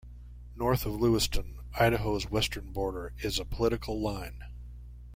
North of Lewiston, Idaho's western border is a political line.